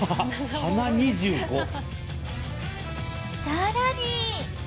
さらに！